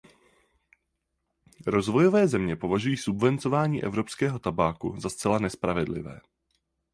Rozvojové země považují subvencování evropského tabáku za zcela nespravedlivé.